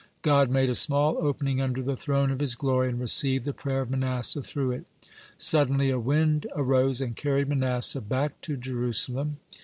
God made a small opening under the Throne of His Glory, and received the prayer of Manasseh through it. Suddenly a wind arose, and carried Manasseh back to Jerusalem.